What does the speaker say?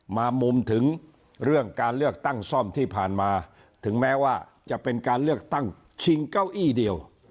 มุมถึงเรื่องการเลือกตั้งซ่อมที่ผ่านมาถึงแม้ว่าจะเป็นการเลือกตั้งชิงเก้าอี้เดียว